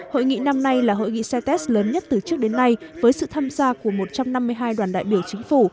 hội nghị năm nay là hội nghị cites lớn nhất từ trước đến nay với sự tham gia của một trăm năm mươi hai đoàn đại biểu chính phủ